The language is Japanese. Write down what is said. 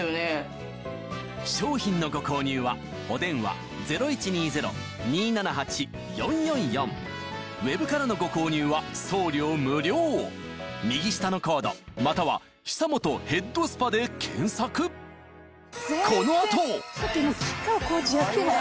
商品のご購入はお電話０１２０−２７８−４４４ウェブからのご購入は送料無料右下のコードまたは「久本ヘッドスパ」で検索ちょっと今吉川晃司やっても。